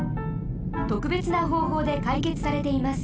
とくべつなほうほうでかいけつされています。